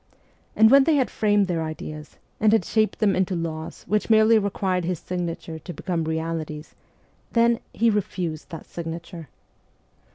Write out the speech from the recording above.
And when they had framed their ideas, and had shaped them into laws which merely required his signature to become realities, then he refused that signature.